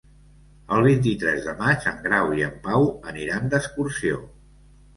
El vint-i-tres de maig en Grau i en Pau aniran d'excursió.